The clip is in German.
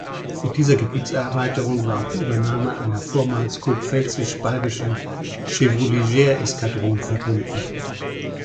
Mit dieser Gebietserweiterung war auch die Übernahme einer vormals kurpfälzisch-bayerischen Chevaulegers-Eskadron verbunden.